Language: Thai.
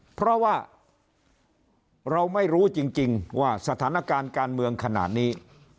เพราะว่าเราไม่รู้จริงว่าสถานการณ์การเมืองขนาดนี้